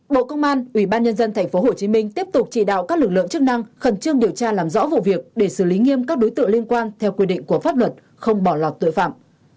bộ công an ủy ban nhân dân tp hcm tiếp tục chỉ đạo các lực lượng chức năng khẩn trương điều tra làm rõ vụ việc để xử lý nghiêm các đối tượng liên quan theo quy định của pháp luật không bỏ lọt tội phạm